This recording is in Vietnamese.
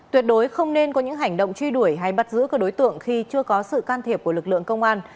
tuyệt đối không nên có những hành động truy đuổi hay bắt giữ các đối tượng khi chưa có sự can thiệp của lực lượng công an